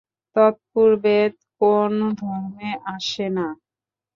তৎপূর্বে কোন ধর্ম আসে না।